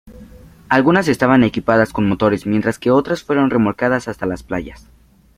Algunas estaban equipadas con motores mientras que otras fueron remolcadas hasta las playas.